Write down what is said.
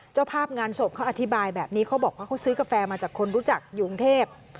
เจ้าภาพงานศพเขาอธิบายแบบนี้เขาบอกว่าเขาซื้อกาแฟมาจากคนรู้จักอยู่กรุงเทพ